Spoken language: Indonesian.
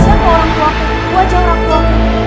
siapa orangtuaku wajah orangtuaku